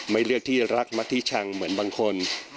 ไม่เลือกที่รักมัธิชังเหมือนบางคน